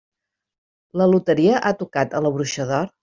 La loteria ha tocat a La bruixa d'or?